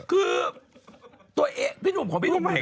คือตัวเองพี่หนุ่มของพี่หนุ่มเห็น